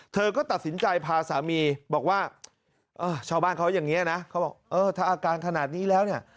เธอก็ตัดสินใจพาสามีว่ะเช้าบ้านเค้าอย่างนี้นะเออถ้าอาการขนาดนี้แล้วนี่